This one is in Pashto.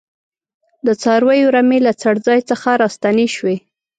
د څارویو رمې له څړځای څخه راستنې شوې.